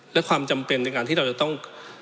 และความจำเป็นในการที่เราจะต้อง